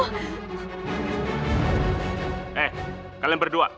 hei kalian berdua